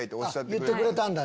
言ってくれたんだ。